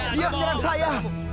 dia menyerang saya